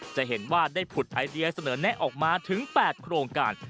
จะเห็นว่าได้ผุดไอเดียเสนอแนะออกมาถึง๘โครงการ